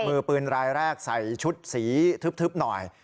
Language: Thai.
มือปืนรายแรกใส่ชุดสีทึบหน่อย